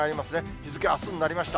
日付あすになりました。